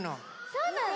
そうなの？